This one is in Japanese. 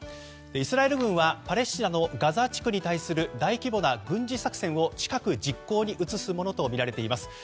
イスラエル軍はパレスチナにガザ地区に対する大規模な軍事作戦を近く実行に移すものとみられています。